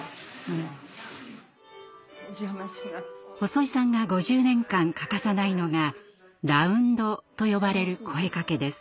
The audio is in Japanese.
細井さんが５０年間欠かさないのが「ラウンド」と呼ばれる声かけです。